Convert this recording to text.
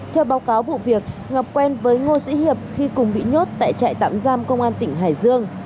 theo báo cáo vụ việc ngọc quen với ngô sĩ hiệp khi cùng bị nhốt tại trại tạm giam công an tỉnh hải dương